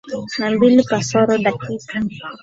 na mbili kasoro dakika